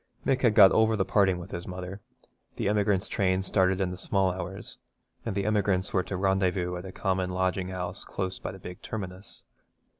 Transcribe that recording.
Mick had got over the parting with his mother. The emigrants' train started in the small hours, and the emigrants were to rendezvous at a common lodging house close by the big terminus.